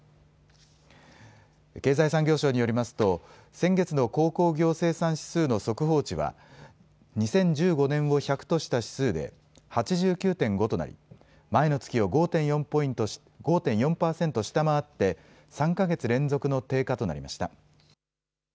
経済産業省によりますと先月の鉱工業生産指数の速報値は２０１５年を１００とした指数で８９．５となり、前の月を５．４％下回って３か月連続の低下となりました。